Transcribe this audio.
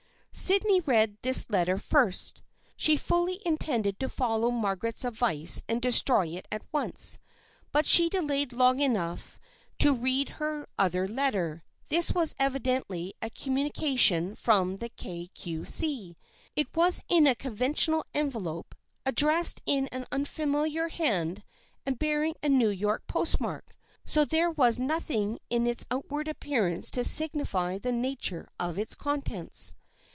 Sydney read this letter first. She fully in« THE FRIENDSHIP OF ANNE tended to follow Margaret's advice and destroy it at once, but she delayed long enough to read her other letter. This was evidently a communi cation from the Kay Cue See. It was in a conven tional envelope, addressed in an unfamiliar hand and bearing a New York postmark, so there was nothing in its outward appearance to signify the nature of its contents.